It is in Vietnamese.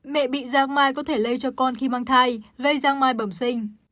mẹ bị giang mai có thể lây cho con khi mang thai gây rang mai bẩm sinh